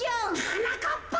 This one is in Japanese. はなかっぱ！